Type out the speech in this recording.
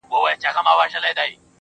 نن د هر گل زړگى په وينو رنـــــگ دى